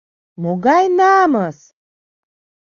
Могай намыс!